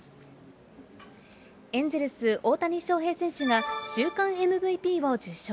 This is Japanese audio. エンゼルス、大谷翔平選手が週間ＭＶＰを受賞。